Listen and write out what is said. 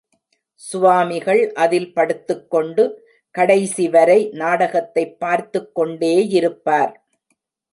சுவாமிகள் அதில் படுத்துக்கொண்டு கடைசிவரை நாடகத்தைப் பார்த்துக்கொண்டேயிருப்பார்.